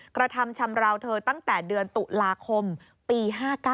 กระทำชำราวเธอตั้งแต่เดือนตุลาคมปี๕๙